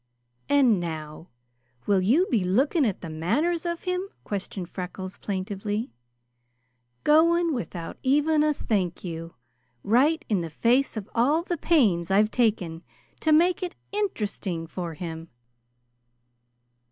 "And now will you be looking at the manners of him?" questioned Freckles plaintively. "Going without even a 'thank you,' right in the face of all the pains I've taken to make it interesting for him!"